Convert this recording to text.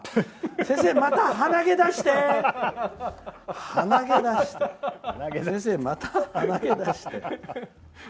先生、また、はなげ出して」はなげ出して。